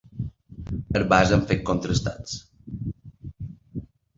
Es basa en fets contrastats.